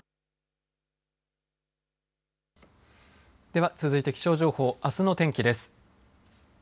では続いて気象情報あすの天気です。